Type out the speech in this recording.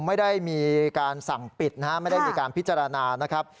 ไม่ได้มีการสั่งปิดนะฮะไม่ได้มีการพิจารณานะครับ